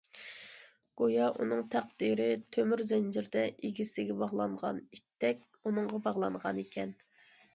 گويا ئۇنىڭ تەقدىرى تۆمۈر زەنجىردە ئىگىسىگە باغلانغان ئىتتەك ئۇنىڭغا باغلانغانىكەن.